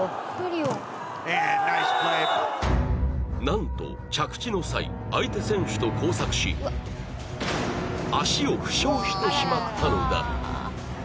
何と着地の際相手選手と交錯ししてしまったのだ